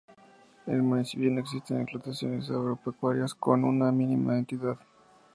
En el municipio no existen explotaciones agropecuarias con una mínima entidad.